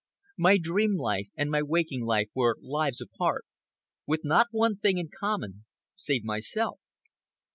My dream life and my waking life were lives apart, with not one thing in common save myself.